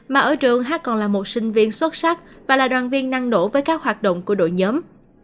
mà ở trường hát còn là một sinh viên xuất sắc và là đoàn viên năng nổ với các hoạt động của đội nhóm